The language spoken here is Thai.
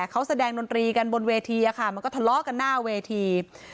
เขาแสดงดนตรีกันบนเวทีมันก็ทะเลาะกันหน้าเวที